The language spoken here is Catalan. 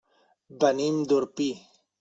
Venim d'Orpí.